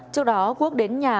trước đó quốc đến nhà